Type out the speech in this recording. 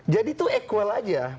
jadi itu equal aja